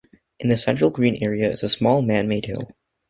In the central green area is a small man-made hill.